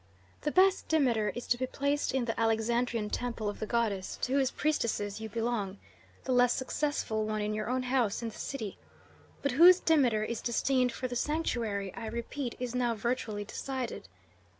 The best Demeter is to be placed in the Alexandrian temple of the goddess, to whose priestesses you belong; the less successful one in your own house in the city, but whose Demeter is destined for the sanctuary, I repeat, is now virtually decided.